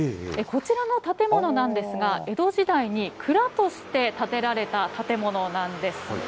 こちらの建物なんですが、江戸時代に蔵として建てられた建物なんです。